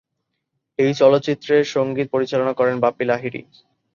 এই চলচ্চিত্রের সংগীত পরিচালনা করেন বাপ্পি লাহিড়ী।